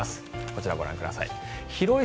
こちらをご覧ください。